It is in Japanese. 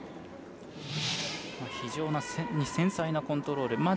非常に繊細なコントロール。